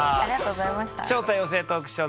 「超多様性トークショー！